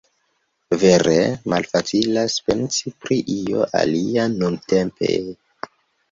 Vere, malfacilas pensi pri io alia nuntempe...